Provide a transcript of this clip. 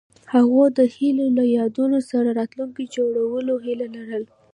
هغوی د هیلې له یادونو سره راتلونکی جوړولو هیله لرله.